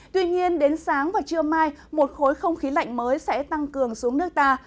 tuy nhiên đến sáng và trưa mai một khối không khí lạnh mới sẽ tăng cường xuống nước ta